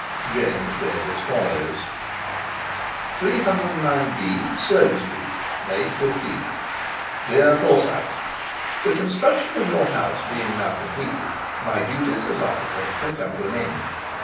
James read as follows: "309D, SLOANE STREET, "May 15, "DEAR FORSYTE, "The construction of your house being now completed, my duties as architect have come to an end.